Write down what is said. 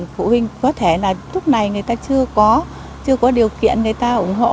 phụ huynh có thể là lúc này người ta chưa có điều kiện người ta ủng hộ